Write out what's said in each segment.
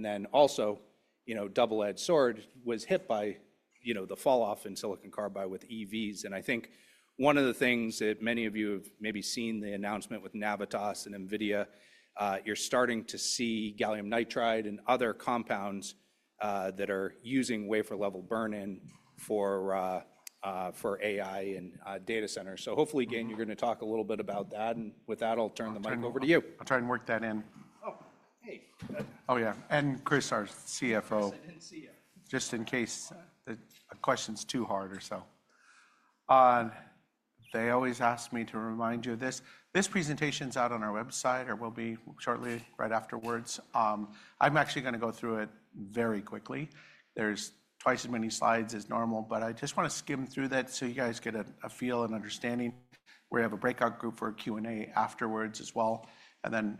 And then also, you know, double-edged sword was hit by, you know, the falloff in silicon carbide with EVs. I think one of the things that many of you have maybe seen the announcement with Navitas and NVIDIA, you're starting to see gallium nitride and other compounds that are using wafer-level burn-in for AI and data centers. Hopefully, Gayn, you're going to talk a little bit about that. With that, I'll turn the mic over to you. I'll try and work that in. Oh, yeah. And Chris, our CFO. Just in case the question's too hard or so. They always ask me to remind you of this. This presentation's out on our website or will be shortly right afterwards. I'm actually going to go through it very quickly. There's twice as many slides as normal, but I just want to skim through that so you guys get a feel and understanding. We have a breakout group for Q&A afterwards as well.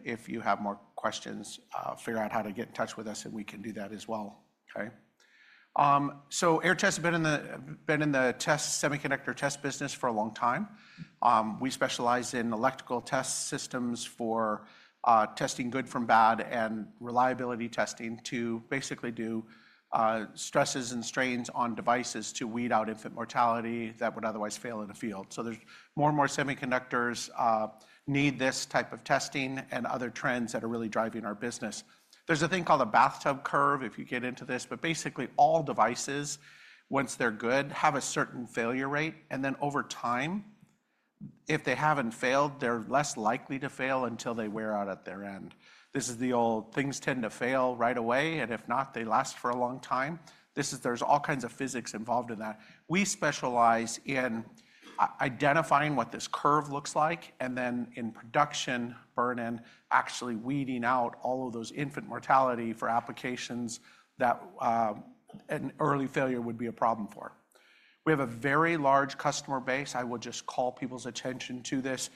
If you have more questions, figure out how to get in touch with us, and we can do that as well. Okay? Aehr Test Systems has been in the semiconductor test business for a long time. We specialize in electrical test systems for testing good from bad and reliability testing to basically do stresses and strains on devices to weed out infant mortality that would otherwise fail in a field. There are more and more semiconductors that need this type of testing and other trends that are really driving our business. There is a thing called a bathtub curve if you get into this, but basically all devices, once they're good, have a certain failure rate. Then over time, if they have not failed, they are less likely to fail until they wear out at their end. This is the old, things tend to fail right away, and if not, they last for a long time. There is all kinds of physics involved in that. We specialize in identifying what this curve looks like, and then in production burn-in, actually weeding out all of those infant mortality for applications that an early failure would be a problem for. We have a very large customer base. I will just call people's attention to this.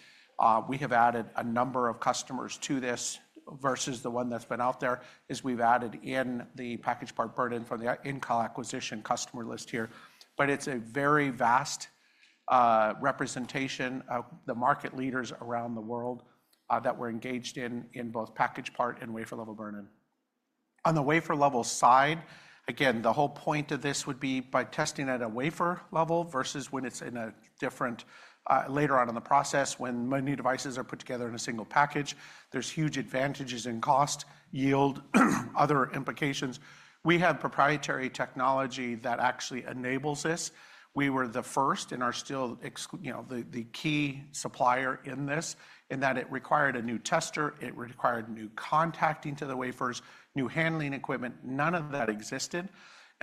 We have added a number of customers to this versus the one that's been out there is we've added in the packaged part burn-in from the Incal Technology acquisition customer list here. It is a very vast representation of the market leaders around the world that we're engaged in, in both packaged part and wafer-level burn-in. On the wafer-level side, again, the whole point of this would be by testing at a wafer-level versus when it's in a different later on in the process, when many devices are put together in a single package, there's huge advantages in cost, yield, other implications. We have proprietary technology that actually enables this. We were the first and are still, you know, the key supplier in this in that it required a new tester, it required new contacting to the wafers, new handling equipment. None of that existed.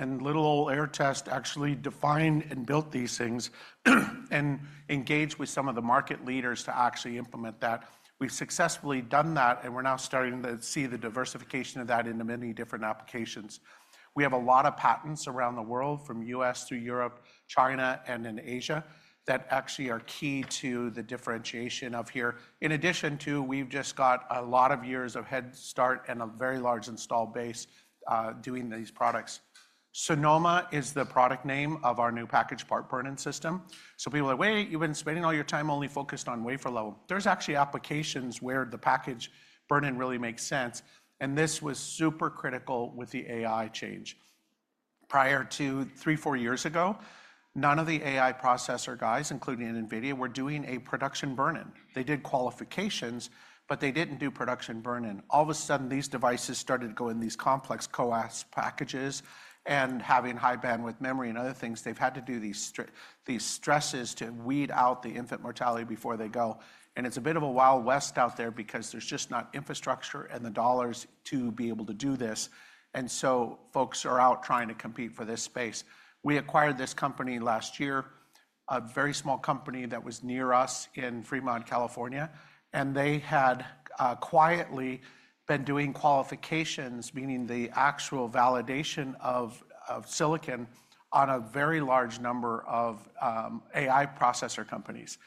Little old Aehr Test Systems actually defined and built these things and engaged with some of the market leaders to actually implement that. We've successfully done that, and we're now starting to see the diversification of that into many different applications. We have a lot of patents around the world from the U.S. to Europe, China, and in Asia that actually are key to the differentiation up here. In addition to that, we've just got a lot of years of head start and a very large install base doing these products. Sonoma is the product name of our new packaged part burn-in system. People are like, "Wait, you've been spending all your time only focused on wafer-level." There are actually applications where the packaged part burn-in really makes sense. This was super critical with the AI change. Prior to three, four years ago, none of the AI processor guys, including NVIDIA, were doing a production burn-in. They did qualifications, but they didn't do production burn-in. All of a sudden, these devices started going in these complex coax packages and having high bandwidth memory and other things. They've had to do these stresses to weed out the infant mortality before they go. It's a bit of a wild west out there because there's just not infrastructure and the dollars to be able to do this. Folks are out trying to compete for this space. We acquired this company last year, a very small company that was near us in Fremont, California. They had quietly been doing qualifications, meaning the actual validation of silicon on a very large number of AI processor companies.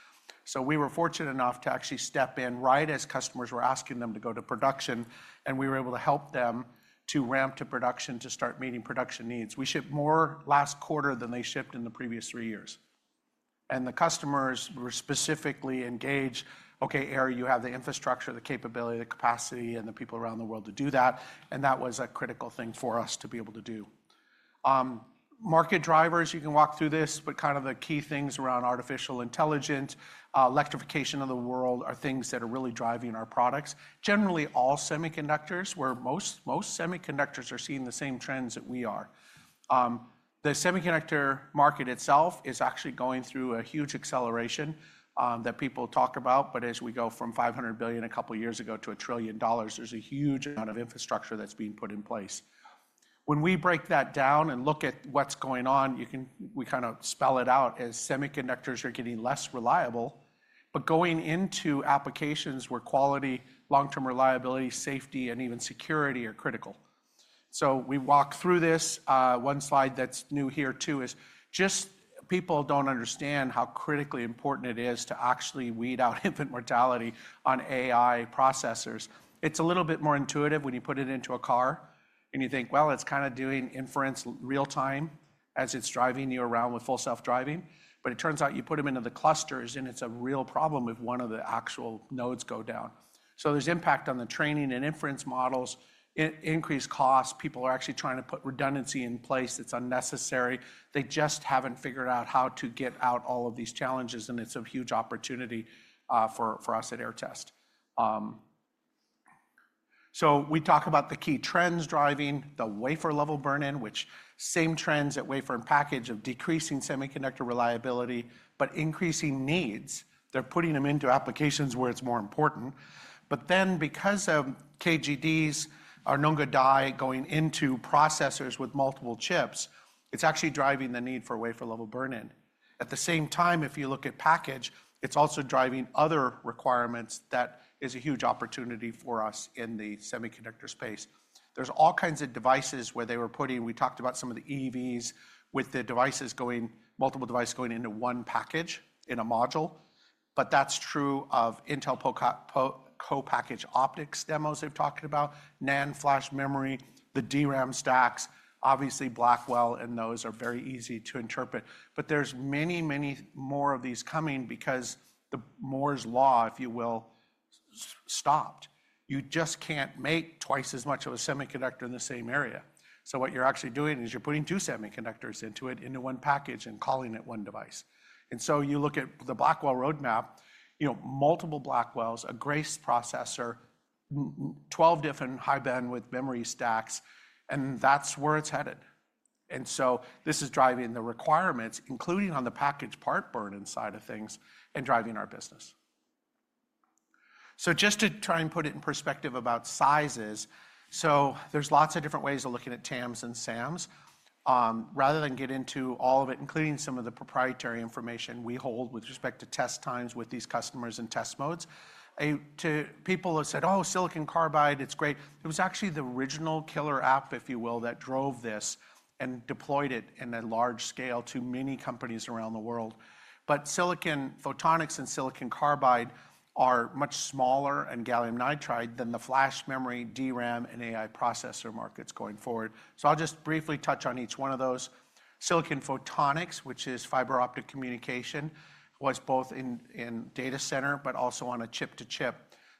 We were fortunate enough to actually step in right as customers were asking them to go to production, and we were able to help them to ramp to production to start meeting production needs. We shipped more last quarter than they shipped in the previous three years. The customers were specifically engaged. Okay, Aehr, you have the infrastructure, the capability, the capacity, and the people around the world to do that. That was a critical thing for us to be able to do. Market drivers, you can walk through this, but kind of the key things around artificial intelligence, electrification of the world are things that are really driving our products. Generally, all semiconductors where most semiconductors are seeing the same trends that we are. The semiconductor market itself is actually going through a huge acceleration that people talk about. As we go from $500 billion a couple of years ago to a trillion dollars, there's a huge amount of infrastructure that's being put in place. When we break that down and look at what's going on, you can, we kind of spell it out as semiconductors are getting less reliable, but going into applications where quality, long-term reliability, safety, and even security are critical. We walk through this. One slide that's new here too is just people don't understand how critically important it is to actually weed out infant mortality on AI processors. It's a little bit more intuitive when you put it into a car and you think, well, it's kind of doing inference real time as it's driving you around with full self-driving. But it turns out you put them into the clusters and it's a real problem if one of the actual nodes goes down. There's impact on the training and inference models, increased costs. People are actually trying to put redundancy in place that's unnecessary. They just haven't figured out how to get out all of these challenges. It's a huge opportunity for us at Aehr Test Systems. We talk about the key trends driving the wafer-level burn-in, which are the same trends at wafer and package of decreasing semiconductor reliability, but increasing needs. They're putting them into applications where it's more important. Then because of KGDs, or Known Good Die going into processors with multiple chips, it's actually driving the need for wafer-level burn-in. At the same time, if you look at package, it's also driving other requirements that is a huge opportunity for us in the semiconductor space. There's all kinds of devices where they were putting, we talked about some of the EVs with the devices going, multiple devices going into one package in a module. That is true of Intel co-packaged optics demos they've talked about, NAND flash memory, the DRAM stacks, obviously Blackwell, and those are very easy to interpret. There are many, many more of these coming because the Moore's Law, if you will, stopped. You just can't make twice as much of a semiconductor in the same area. What you're actually doing is you're putting two semiconductors into it, into one package and calling it one device. You look at the Blackwell roadmap, you know, multiple Blackwells, a Grace processor, 12 different high bandwidth memory stacks, and that's where it's headed. This is driving the requirements, including on the packaged part burn-in side of things and driving our business. Just to try and put it in perspective about sizes, there are lots of different ways of looking at TAMs and SAMs. Rather than get into all of it, including some of the proprietary information we hold with respect to test times with these customers and test modes, people have said, "Oh, silicon carbide, it's great." It was actually the original killer app, if you will, that drove this and deployed it in a large scale to many companies around the world. Silicon photonics and silicon carbide are much smaller and gallium nitride than the flash memory, DRAM, and AI processor markets going forward. I'll just briefly touch on each one of those. Silicon photonics, which is fiber optic communication, was both in data center, but also on a chip-to-chip.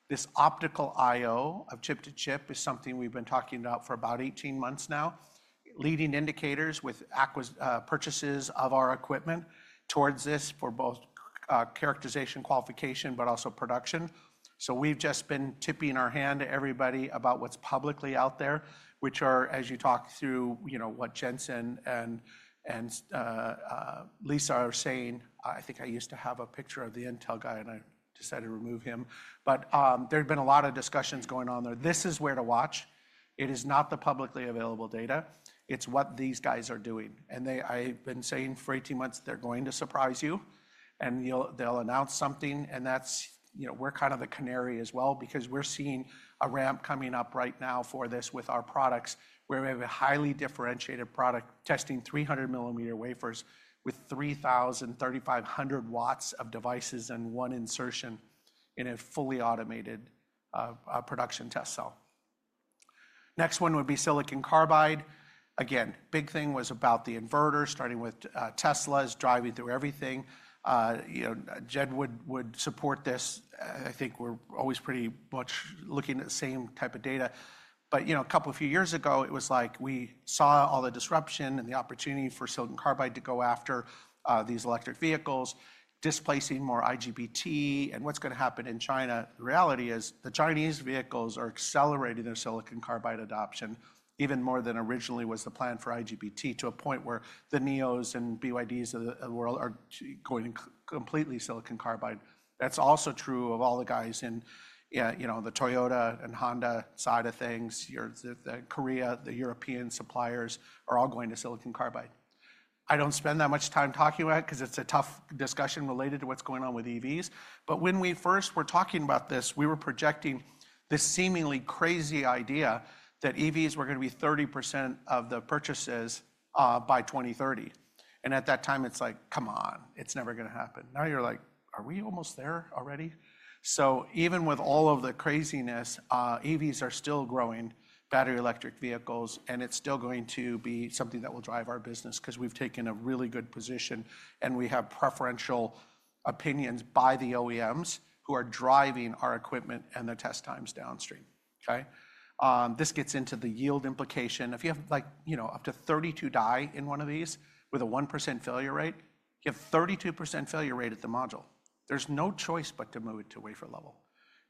This optical I/O of chip-to-chip is something we've been talking about for about 18 months now, leading indicators with purchases of our equipment towards this for both characterization, qualification, but also production. We've just been tipping our hand to everybody about what's publicly out there, which are, as you talk through, you know, what Jensen and Lisa are saying. I think I used to have a picture of the Intel guy and I decided to remove him. There have been a lot of discussions going on there. This is where to watch. It is not the publicly available data. It's what these guys are doing. I've been saying for 18 months, they're going to surprise you and they'll announce something. That's, you know, we're kind of the canary as well because we're seeing a ramp coming up right now for this with our products where we have a highly differentiated product testing 300 millimeter wafers with 3,000 watts-3,500 watts of devices in one insertion in a fully automated production test cell. Next one would be silicon carbide. Again, big thing was about the inverter starting with Tesla's driving through everything. You know, Jed would support this. I think we're always pretty much looking at the same type of data. A couple of few years ago, it was like we saw all the disruption and the opportunity for silicon carbide to go after these electric vehicles, displacing more IGBT. What's going to happen in China, the reality is the Chinese vehicles are accelerating their silicon carbide adoption even more than originally was the plan for IGBT to a point where the NIOs and BYDs of the world are going completely silicon carbide. That's also true of all the guys in, you know, the Toyota and Honda side of things. The Korea, the European suppliers are all going to silicon carbide. I don't spend that much time talking about it because it's a tough discussion related to what's going on with EVs. When we first were talking about this, we were projecting this seemingly crazy idea that EVs were going to be 30% of the purchases by 2030. At that time, it's like, "Come on, it's never going to happen." Now you're like, "Are we almost there already?" Even with all of the craziness, EVs are still growing battery electric vehicles, and it's still going to be something that will drive our business because we've taken a really good position and we have preferential opinions by the OEMs who are driving our equipment and the test times downstream. Okay? This gets into the yield implication. If you have, like, you know, up to 32 die in one of these with a 1% failure rate, you have 32% failure rate at the module. There's no choice but to move it to wafer-level.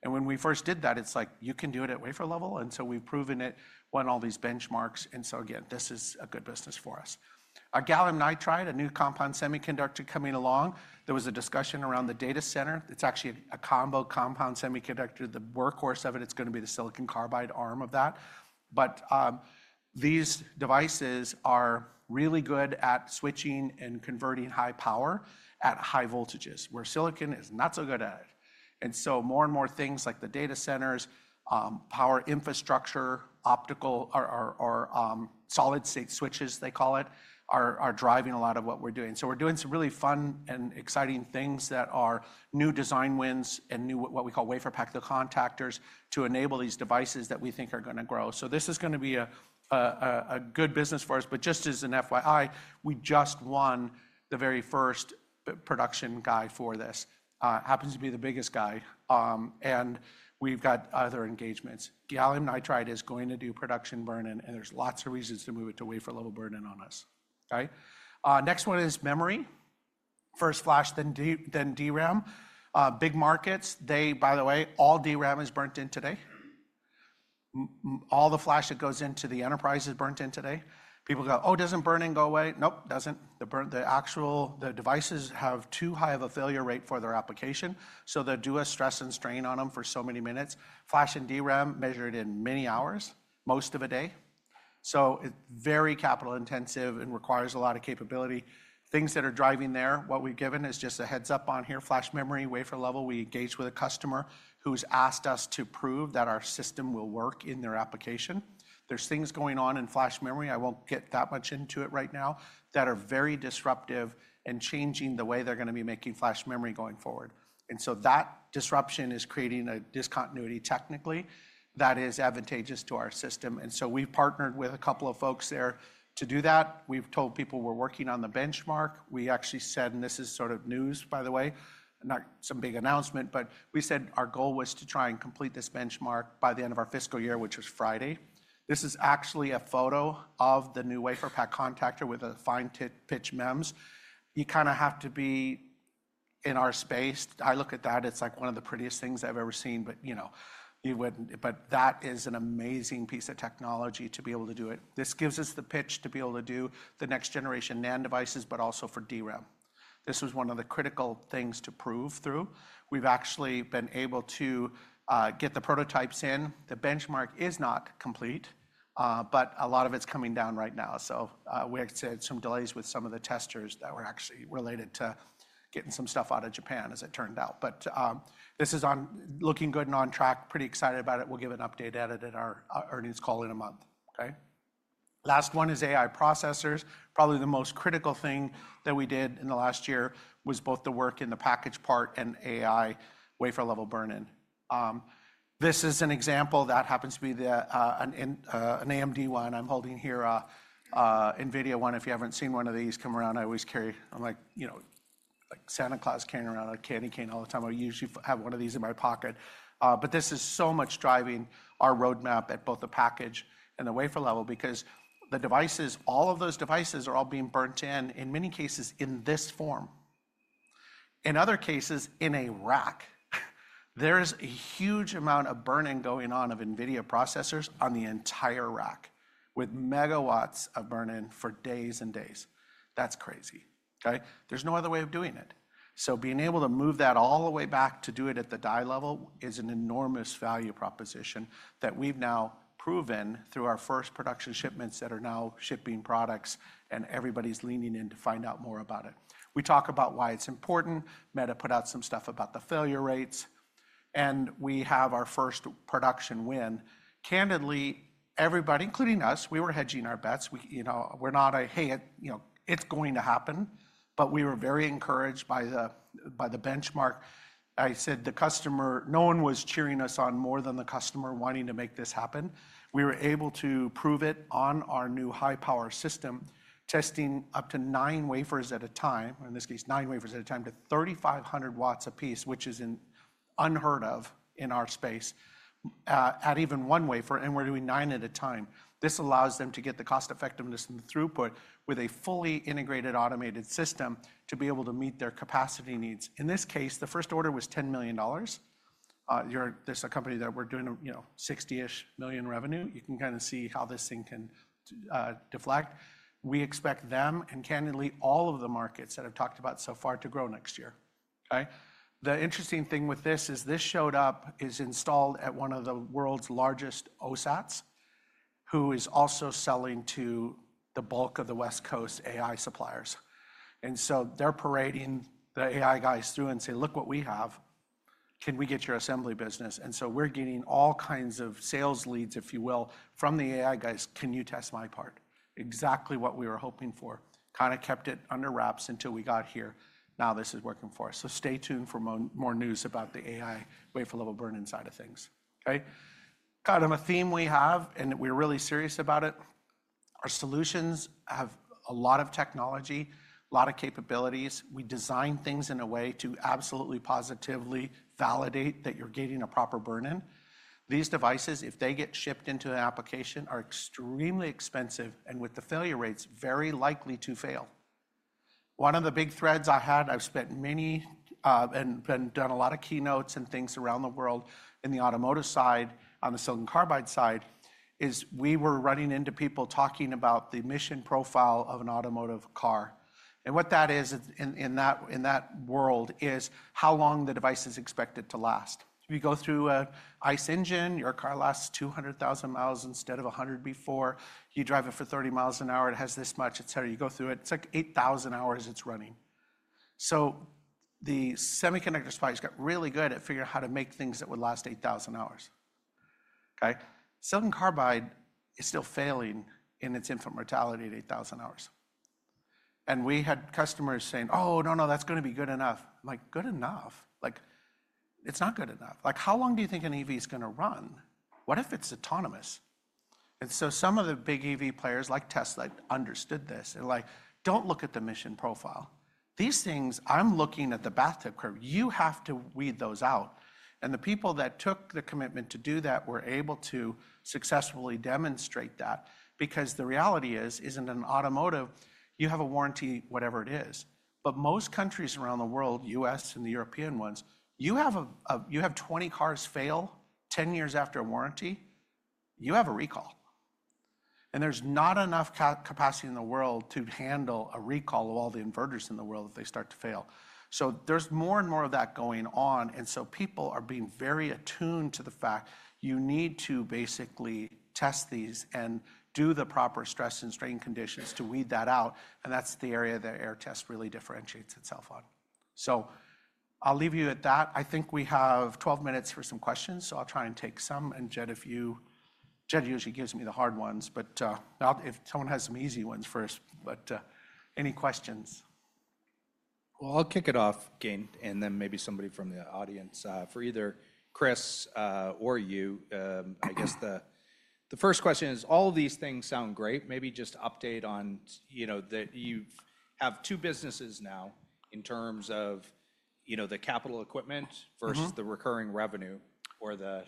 When we first did that, it's like, "You can do it at wafer-level." We've proven it on all these benchmarks. Again, this is a good business for us. A gallium nitride, a new compound semiconductor coming along. There was a discussion around the data center. It's actually a combo compound semiconductor. The workhorse of it, it's going to be the silicon carbide arm of that. These devices are really good at switching and converting high power at high voltages where silicon is not so good at it. More and more things like the data centers, power infrastructure, optical or solid state switches, they call it, are driving a lot of what we're doing. We're doing some really fun and exciting things that are new design wins and new what we call wafer pack, the contactors to enable these devices that we think are going to grow. This is going to be a good business for us. Just as an FYI, we just won the very first production guy for this. Happens to be the biggest guy. And we've got other engagements. Gallium nitride is going to do production burn-in, and there's lots of reasons to move it to wafer-level burn-in on us. Okay? Next one is memory. First flash, then DRAM. Big markets, they, by the way, all DRAM is burnt in today. All the flash that goes into the enterprise is burnt in today. People go, "Oh, doesn't burn-in go away?" Nope, doesn't. The actual, the devices have too high of a failure rate for their application. So they're doing stress and strain on them for so many minutes. Flash and DRAM measured in many hours, most of a day. So it's very capital intensive and requires a lot of capability. Things that are driving there, what we've given is just a heads up on here. Flash memory, wafer-level. We engage with a customer who's asked us to prove that our system will work in their application. There's things going on in flash memory. I won't get that much into it right now that are very disruptive and changing the way they're going to be making flash memory going forward. That disruption is creating a discontinuity technically that is advantageous to our system. We've partnered with a couple of folks there to do that. We've told people we're working on the benchmark. We actually said, and this is sort of news, by the way, not some big announcement, but we said our goal was to try and complete this benchmark by the end of our fiscal year, which was Friday. This is actually a photo of the new wafer pack contactor with a fine pitch MEMS. You kind of have to be in our space. I look at that. It's like one of the prettiest things I've ever seen. But, you know, you wouldn't, but that is an amazing piece of technology to be able to do it. This gives us the pitch to be able to do the next generation NAND devices, but also for DRAM. This was one of the critical things to prove through. We've actually been able to get the prototypes in. The benchmark is not complete, but a lot of it's coming down right now. We had some delays with some of the testers that were actually related to getting some stuff out of Japan, as it turned out. This is looking good and on track. Pretty excited about it. We'll give an update at our earnings call in a month. Okay? Last one is AI processors. Probably the most critical thing that we did in the last year was both the work in the package part and AI wafer-level burn-in. This is an example that happens to be an AMD one I'm holding here, NVIDIA one. If you haven't seen one of these come around, I always carry. I'm like, you know, like Santa Claus carrying around a candy cane all the time. I usually have one of these in my pocket. This is so much driving our roadmap at both the package and the wafer-level because the devices, all of those devices are all being burnt in, in many cases in this form. In other cases, in a rack, there is a huge amount of burn-in going on of NVIDIA processors on the entire rack with megawatts of burn-in for days and days. That's crazy. Okay? There's no other way of doing it. Being able to move that all the way back to do it at the die level is an enormous value proposition that we've now proven through our first production shipments that are now shipping products and everybody's leaning in to find out more about it. We talk about why it's important. Meta put out some stuff about the failure rates. We have our first production win. Candidly, everybody, including us, we were hedging our bets. You know, we're not a, "Hey, you know, it's going to happen." We were very encouraged by the benchmark. I said the customer, no one was cheering us on more than the customer wanting to make this happen. We were able to prove it on our new high power system, testing up to nine wafers at a time, or in this case, nine wafers at a time to 3,500 watts a piece, which is unheard of in our space at even one wafer. We're doing nine at a time. This allows them to get the cost effectiveness and the throughput with a fully integrated automated system to be able to meet their capacity needs. In this case, the first order was $10 million. There's a company that we're doing, you know, 60-ish million revenue. You can kind of see how this thing can deflect. We expect them and candidly all of the markets that I've talked about so far to grow next year. Okay? The interesting thing with this is this showed up, is installed at one of the world's largest OSATs, who is also selling to the bulk of the West Coast AI suppliers. They are parading the AI guys through and say, "Look what we have. Can we get your assembly business?" We are getting all kinds of sales leads, if you will, from the AI guys, "Can you test my part?" Exactly what we were hoping for, kind of kept it under wraps until we got here. Now this is working for us. Stay tuned for more news about the AI wafer-level burn-in side of things. Okay? Kind of a theme we have and we are really serious about it. Our solutions have a lot of technology, a lot of capabilities. We design things in a way to absolutely positively validate that you are getting a proper burn-in. These devices, if they get shipped into an application, are extremely expensive and with the failure rates, very likely to fail. One of the big threads I had, I've spent many and done a lot of keynotes and things around the world in the automotive side on the silicon carbide side is we were running into people talking about the mission profile of an automotive car. What that is in that world is how long the device is expected to last. If you go through an ICE engine, your car lasts 200,000 miles instead of 100 before. You drive it for 30 miles an hour, it has this much, et cetera. You go through it, it's like 8,000 hours it's running. The semiconductor supply has got really good at figuring out how to make things that would last 8,000 hours. Okay? Silicon carbide is still failing in its infant mortality at 8,000 hours. We had customers saying, "Oh, no, no, that's going to be good enough." I'm like, "Good enough?" Like, it's not good enough. Like, how long do you think an EV is going to run? What if it's autonomous? Some of the big EV players like Tesla understood this. They're like, "Don't look at the mission profile. These things, I'm looking at the bathtub curve. You have to weed those out." The people that took the commitment to do that were able to successfully demonstrate that because the reality is, isn't an automotive, you have a warranty, whatever it is. Most countries around the world, U.S. and the European ones, you have 20 cars fail 10 years after a warranty, you have a recall. There is not enough capacity in the world to handle a recall of all the inverters in the world if they start to fail. There is more and more of that going on. People are being very attuned to the fact you need to basically test these and do the proper stress and strain conditions to weed that out. That is the area that Aehr Test Systems really differentiates itself on. I will leave you at that. I think we have 12 minutes for some questions. I will try and take some. Jed, if you, Jed usually gives me the hard ones, but if someone has some easy ones first, but any questions? I'll kick it off, Gayn, and then maybe somebody from the audience for either Chris or you. I guess the first question is, all of these things sound great. Maybe just update on, you know, that you have two businesses now in terms of, you know, the capital equipment versus the recurring revenue or the,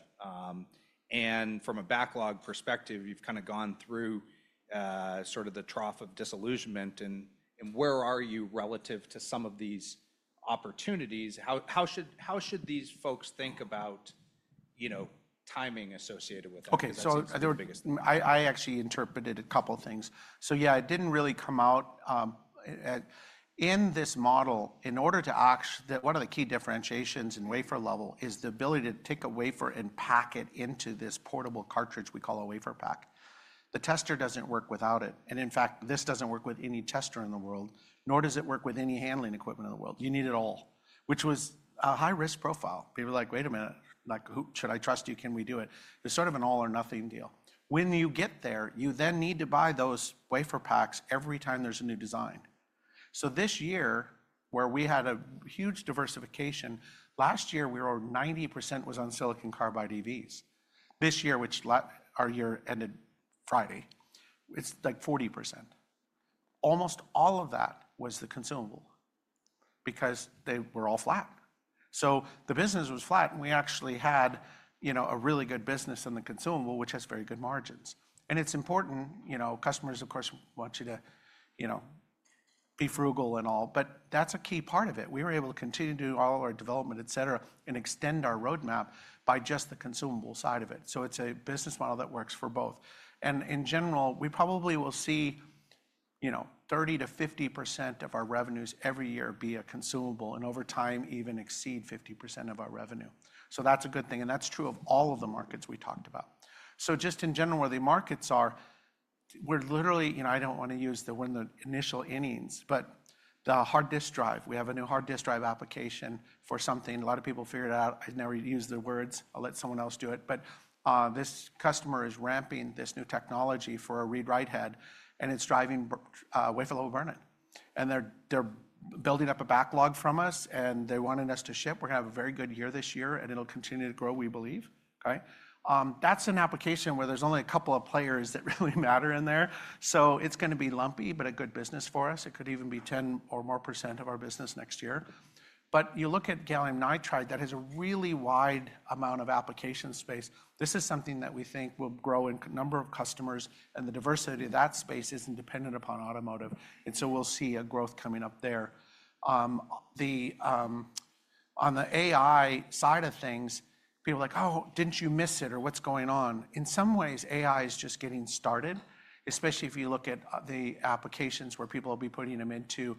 and from a backlog perspective, you've kind of gone through sort of the trough of disillusionment. Where are you relative to some of these opportunities? How should these folks think about, you know, timing associated with that? Okay. I actually interpreted a couple of things. Yeah, it didn't really come out in this model. In order to actually, one of the key differentiations in wafer-level is the ability to take a wafer and pack it into this portable cartridge we call a wafer pack. The tester doesn't work without it. In fact, this doesn't work with any tester in the world, nor does it work with any handling equipment in the world. You need it all, which was a high risk profile. People were like, "Wait a minute, like who should I trust you? Can we do it?" It's sort of an all or nothing deal. When you get there, you then need to buy those wafer packs every time there's a new design. This year where we had a huge diversification, last year we were 90% was on silicon carbide EVs. This year, which our year ended Friday, it's like 40%. Almost all of that was the consumable because they were all flat. The business was flat and we actually had, you know, a really good business in the consumable, which has very good margins. And it's important, you know, customers, of course, want you to, you know, be frugal and all, but that's a key part of it. We were able to continue to do all our development, et cetera, and extend our roadmap by just the consumable side of it. It's a business model that works for both. In general, we probably will see, you know, 30%-50% of our revenues every year be a consumable and over time even exceed 50% of our revenue. That's a good thing. That's true of all of the markets we talked about. Just in general, where the markets are, we're literally, you know, I don't want to use the initial innings, but the hard disk drive, we have a new hard disk drive application for something. A lot of people figured it out. I never use the words. I'll let someone else do it. This customer is ramping this new technology for a read write head and it's driving wafer-level burn-in. They're building up a backlog from us and they wanted us to ship. We're going to have a very good year this year and it'll continue to grow, we believe. Okay? That's an application where there's only a couple of players that really matter in there. It's going to be lumpy, but a good business for us. It could even be 10% or more of our business next year. You look at gallium nitride, that has a really wide amount of application space. This is something that we think will grow in a number of customers and the diversity of that space is not dependent upon automotive. We will see a growth coming up there. On the AI side of things, people are like, "Oh, did you miss it?" or, "What's going on?" In some ways, AI is just getting started, especially if you look at the applications where people will be putting them into,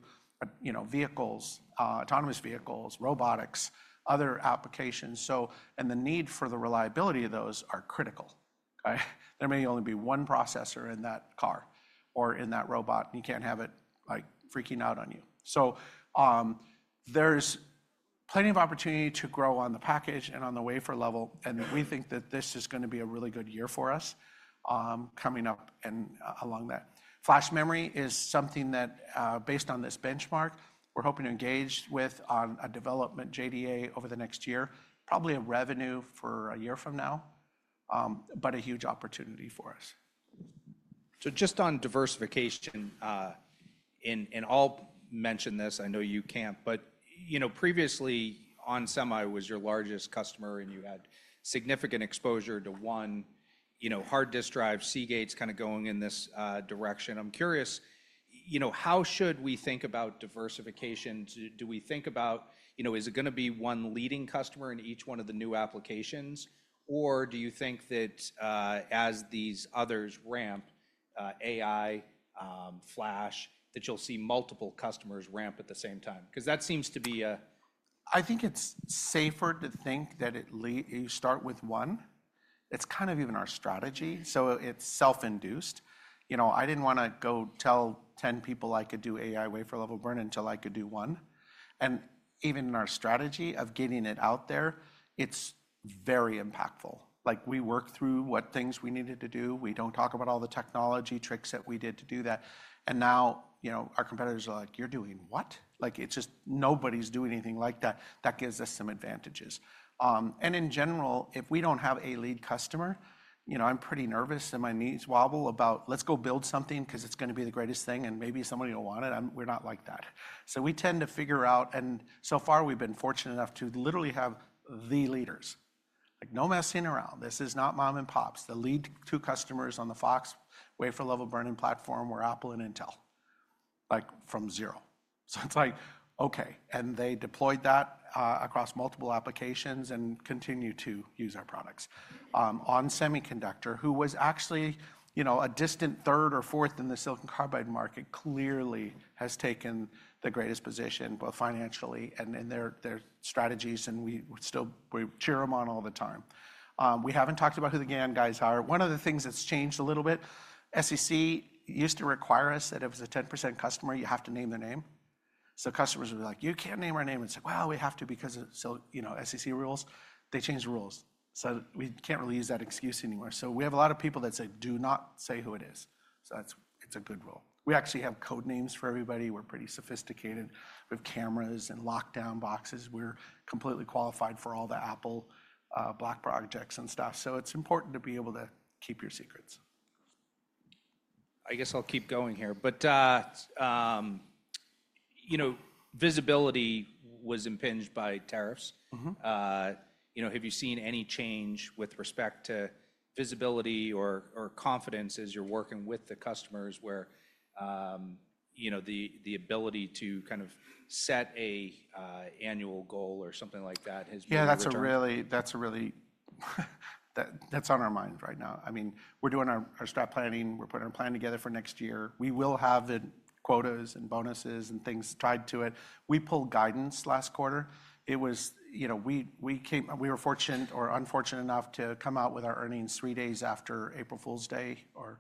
you know, vehicles, autonomous vehicles, robotics, other applications. The need for the reliability of those is critical. There may only be one processor in that car or in that robot. You cannot have it like freaking out on you. There is plenty of opportunity to grow on the package and on the wafer-level. We think that this is going to be a really good year for us coming up and along that. Flash memory is something that, based on this benchmark, we are hoping to engage with on a development JDA over the next year, probably a revenue for a year from now, but a huge opportunity for us. Just on diversification, and I'll mention this, I know you can't, but you know, previously ON Semiconductor was your largest customer and you had significant exposure to one, you know, hard disk drive, Seagate's kind of going in this direction. I'm curious, you know, how should we think about diversification? Do we think about, you know, is it going to be one leading customer in each one of the new applications? Or do you think that as these others ramp, AI, Flash, that you'll see multiple customers ramp at the same time? Because that seems to be a. I think it's safer to think that you start with one. It's kind of even our strategy. So it's self-induced. You know, I didn't want to go tell 10 people I could do AI wafer-level burn-in until I could do one. And even in our strategy of getting it out there, it's very impactful. Like we work through what things we needed to do. We don't talk about all the technology tricks that we did to do that. And now, you know, our competitors are like, "You're doing what?" Like it's just nobody's doing anything like that. That gives us some advantages. And in general, if we don't have a lead customer, you know, I'm pretty nervous and my knees wobble about, "Let's go build something because it's going to be the greatest thing and maybe somebody will want it." We're not like that. We tend to figure out, and so far we've been fortunate enough to literally have the leaders. Like no messing around. This is not mom and pops. The lead two customers on the FOX wafer-level burn-in platform were Apple and Intel, like from zero. It's like, "Okay." They deployed that across multiple applications and continue to use our products. ON Semiconductor, who was actually, you know, a distant third or fourth in the silicon carbide market, clearly has taken the greatest position both financially and in their strategies. We still cheer them on all the time. We haven't talked about who the GaN guys are. One of the things that's changed a little bit, SEC used to require us that if it was a 10% customer, you have to name the name. Customers were like, "You can't name our name." It's like, "Well, we have to because of, you know, SEC rules." They changed rules. We can't really use that excuse anymore. We have a lot of people that say, "Do not say who it is." It's a good rule. We actually have code names for everybody. We're pretty sophisticated with cameras and lockdown boxes. We're completely qualified for all the Apple black projects and stuff. It's important to be able to keep your secrets. I guess I'll keep going here, but you know, visibility was impinged by tariffs. You know, have you seen any change with respect to visibility or confidence as you're working with the customers where, you know, the ability to kind of set an annual goal or something like that has been? Yeah, that's a really, that's on our mind right now. I mean, we're doing our strat planning. We're putting our plan together for next year. We will have the quotas and bonuses and things tied to it. We pulled guidance last quarter. It was, you know, we were fortunate or unfortunate enough to come out with our earnings three days after April Fools' Day or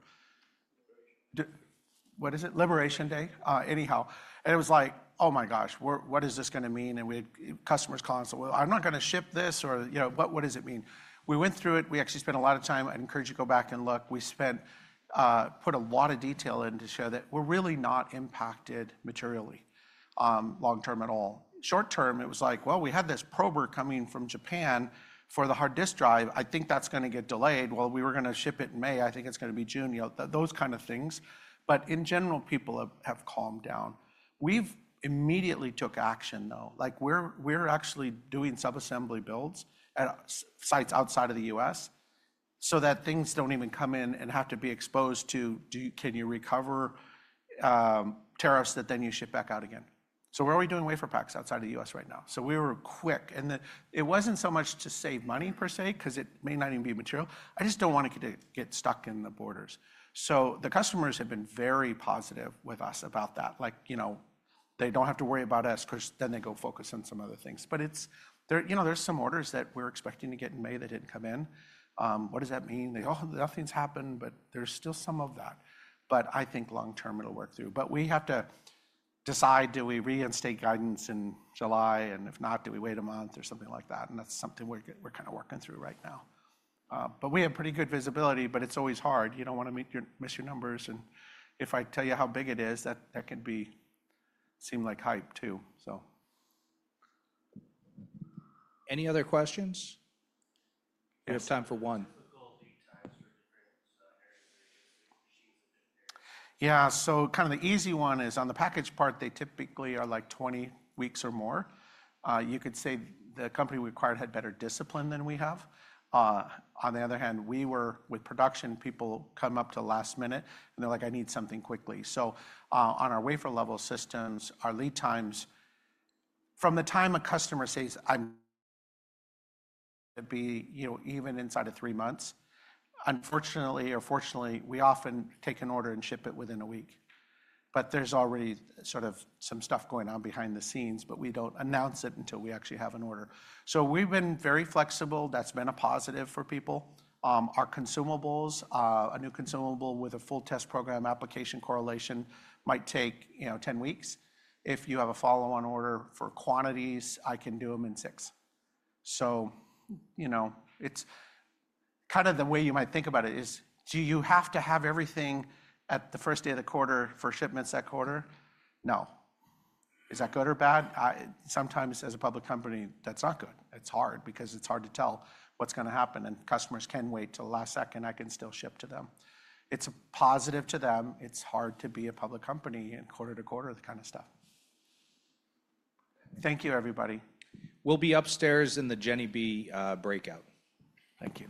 what is it? Liberation Day? Anyhow, and it was like, "Oh my gosh, what is this going to mean?" We had customers calling us, "Well, I'm not going to ship this or, you know, what does it mean?" We went through it. We actually spent a lot of time. I encourage you to go back and look. We spent, put a lot of detail in to show that we're really not impacted materially long term at all. Short term, it was like, "Well, we had this prober coming from Japan for the hard disk drive. I think that's going to get delayed." We were going to ship it in May. I think it's going to be June, you know, those kind of things. In general, people have calmed down. We've immediately took action though. Like we're actually doing sub-assembly builds at sites outside of the U.S. so that things don't even come in and have to be exposed to, "Can you recover tariffs that then you ship back out again?" We're already doing wafer packs outside of the U.S. right now. We were quick. It wasn't so much to save money per se because it may not even be material. I just don't want it to get stuck in the borders. The customers have been very positive with us about that. Like, you know, they don't have to worry about us because then they go focus on some other things. But it's, you know, there's some orders that we're expecting to get in May that didn't come in. What does that mean? They go, "Oh, nothing's happened," but there's still some of that. I think long term it'll work through. We have to decide, do we reinstate guidance in July? If not, do we wait a month or something like that? That's something we're kind of working through right now. We have pretty good visibility, but it's always hard. You don't want to miss your numbers. If I tell you how big it is, that can seem like hype too, so. Any other questions? We have time for one. Yeah. So kind of the easy one is on the packaged part, they typically are like 20 weeks or more. You could say the company we acquired had better discipline than we have. On the other hand, we were with production people come up to last minute and they're like, "I need something quickly." On our wafer-level systems, our lead times from the time a customer says, "I'm going to be, you know, even inside of three months," unfortunately or fortunately, we often take an order and ship it within a week. There's already sort of some stuff going on behind the scenes, but we don't announce it until we actually have an order. We've been very flexible. That's been a positive for people. Our consumables, a new consumable with a full test program application correlation might take, you know, 10 weeks. If you have a follow-on order for quantities, I can do them in six. So, you know, it's kind of the way you might think about it is, do you have to have everything at the first day of the quarter for shipments that quarter? No. Is that good or bad? Sometimes as a public company, that's not good. It's hard because it's hard to tell what's going to happen and customers can wait till the last second I can still ship to them. It's a positive to them. It's hard to be a public company and quarter to quarter kind of stuff. Thank you, everybody. We'll be upstairs in the Jenny B breakout. Thank you.